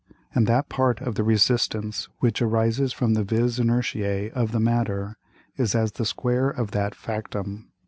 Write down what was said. And that part of the Resistance which arises from the Vis inertiæ of the Matter, is as the Square of that Factum.